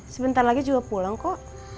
sebentar lagi juga pulang kok